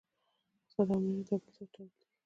اقتصاد او امنیت یو له بل سره تړلي دي